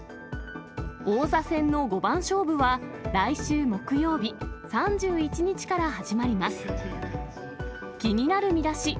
王座戦の五番勝負は来週木曜日３１日から始まります。